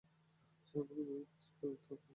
আমাকে কাজে ফিরতে হবে।